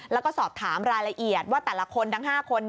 แล้วก็สอบถามรายละเอียดว่าแต่ละคนทั้ง๕คน